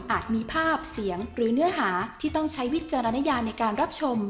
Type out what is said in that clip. มีภาพเสียงหรือเนื้อหาที่ต้องใช้วิจารณญาในการรับชม